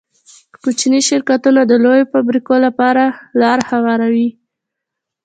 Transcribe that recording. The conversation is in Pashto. کوچني شرکتونه د لویو فابریکو لپاره لاره هواروي.